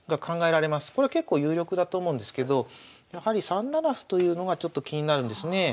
これは結構有力だと思うんですけど３七歩というのがちょっと気になるんですね。